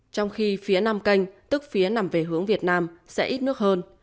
trong khi phía nam canh tức phía nằm về hướng việt nam sẽ ít nước hơn